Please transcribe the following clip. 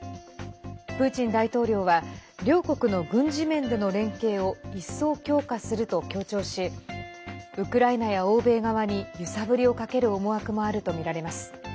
プーチン大統領は両国の軍事面での連携を一層強化すると強調しウクライナや欧米側に揺さぶりをかける思惑もあるとみられます。